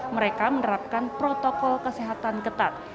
mereka menerapkan protokol kesehatan ketat